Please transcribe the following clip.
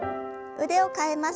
腕を替えます。